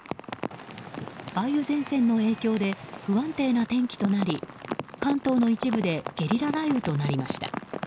梅雨前線の影響で不安定な天気となり関東の一部でゲリラ雷雨となりました。